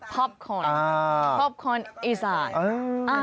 พอปคอร์นพอปคอร์นอิสาน